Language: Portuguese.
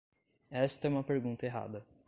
Esta é uma pergunta errada.